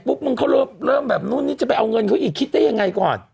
มึงเขาเริ่มแบบนู่นนี่จะไปเอาเงินเขาอีกคิดได้ยังไงก่อน